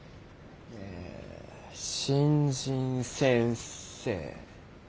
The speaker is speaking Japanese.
え新人先生。